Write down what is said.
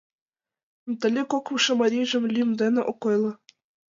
Натали кокымшо марийжым лӱм дене ок ойло.